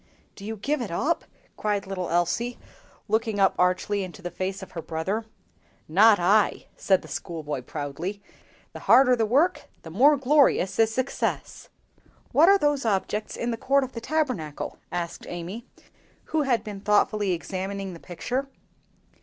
"Do you give it up?" cried little Elsie, looking up archly into the face of her brother. "Not I!" said the schoolboy proudly. "The harder the work, the more glorious is success!" "What are those objects in the court of the Tabernacle?" asked Amy, who had been thoughtfully examining the picture.